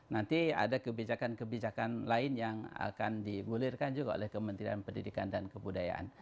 nanti ada kebijakan kebijakan lain yang akan digulirkan juga oleh kementerian pendidikan dan kebudayaan